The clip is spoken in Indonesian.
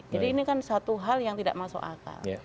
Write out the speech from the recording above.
jadi ini kan satu hal yang tidak masuk akal